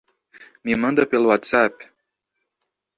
Me manda pelo Whatsapp